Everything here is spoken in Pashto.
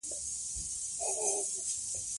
ځمکنی شکل د افغانستان د بشري فرهنګ برخه ده.